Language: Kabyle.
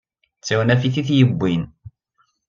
D tawnafit i t-yewwin.